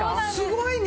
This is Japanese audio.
すごいね！